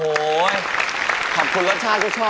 โอ้โหขอบคุณรสชาติที่ชอบ